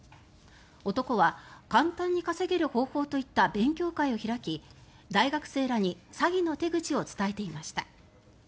男は簡単に稼げる方法といった勉強会を開き大学生らに詐欺の手口を伝えていました。